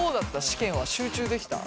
試験は集中できた？